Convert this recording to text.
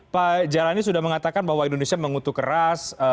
pak jalani sudah mengatakan bahwa indonesia mengutuk keras